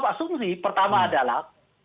asumsi pertama adalah